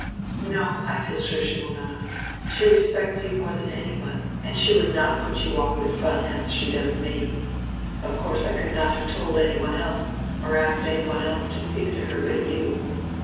"No, I feel sure she will not. She respects you more than any one, and she would not put you off with fun as she does me. Of course I could not have told any one else, or asked any one else to speak to her, but you.